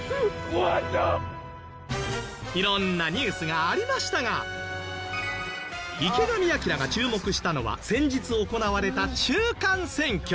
色んなニュースがありましたが池上彰が注目したのは先日行われた中間選挙。